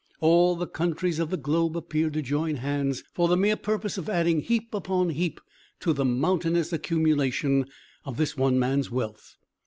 All the countries of the globe appeared to join hands for the mere purpose of adding heap after heap to the mountainous accumulation of this one man's wealth.